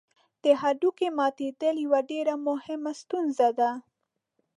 د هډوکي ماتېدل یوه ډېره مهمه ستونزه ده.